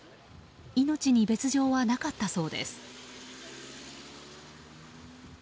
命に別条はなかったそうです。